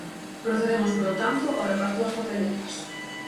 Procedemos, polo tanto, ao reparto das papeletas.